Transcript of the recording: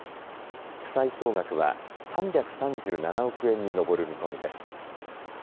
負債総額は３３７億円に上る見込みです。